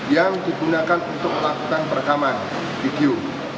yang digunakan untuk melakukan perekaman video